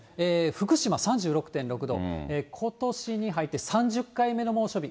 福島３６．６度、ことしに入って３０回目の猛暑日。